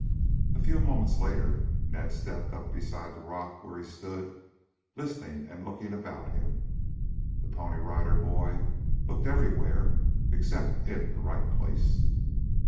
A few moments later Ned stepped up beside the rock where he stood listening and looking about him. The Pony Rider Boy looked everywhere except in the right place.